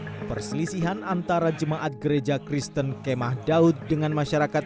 hai perselisihan antara jemaat gereja kristen kemah daud dengan masyarakat